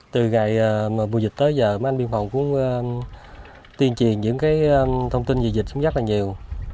từ đó mùa dịch đến giờ mấy anh biên phòng cũng tiên triền những thông tin về dịch rất là nhiều